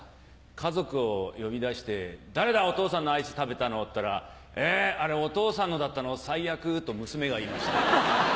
家族を呼び出して「誰だ？お父さんのアイス食べたの」って言ったら「えあれお父さんのだったの最悪」と娘が言いました。